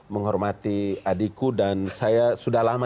menghormati adikku dan saya sudah lama